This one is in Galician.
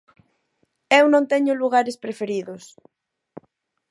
Eu non teño lugares preferidos.